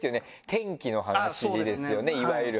天気の話ですよねいわゆる。